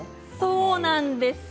そうなんです。